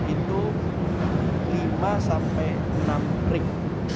itu lima sampai enam ring